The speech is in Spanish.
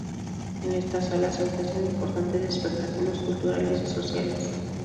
En esta sala se ofrecen importantes espectáculos culturales y sociales.